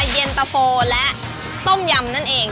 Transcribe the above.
เย็นเตอร์โฟล์และต้มยำนั่นเอง